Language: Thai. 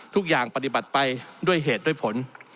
ทุกอย่างปฏิบัติไปด้วยเหตุด้วยผล